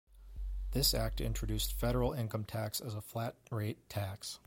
This Act introduced Federal income tax as a flat rate tax.